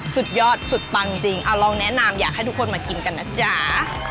สุดยอดสุดปังจริงเอาลองแนะนำอยากให้ทุกคนมากินกันนะจ๊ะ